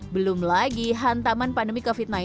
belum lagi hantaman pandemi covid sembilan belas